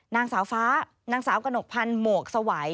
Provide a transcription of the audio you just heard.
นางสาวฟ้านางสาวกระหนกพันธ์หมวกสวัย